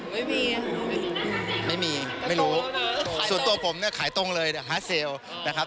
ไม่มีไม่มีไม่รู้ส่วนตัวผมเนี่ยขายตรงเลยฮาร์ดเซลล์นะครับ